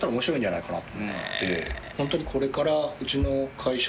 本当にこれから。